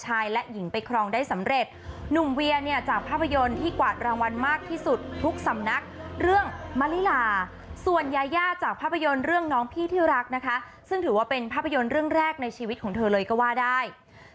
หนุ่มเวียเนี่ยจากภาพยนตร์ที่กวาดรางวัลมากที่สุดทุกสำนักเรื่องมะลิลาส่วนยายาจากภาพยนตร์เรื่องน้องพี่ที่รักนะคะซึ่งถือว่าเป็นภาพยนตร์เรื่องแรกในชีวิตของเธอเลยก็ว่าได้